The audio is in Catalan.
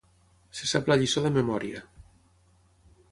Se sap la lliçó de memòria.